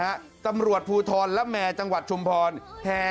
ตำรวจภูทรละแมจังหวัดชุมพรแห่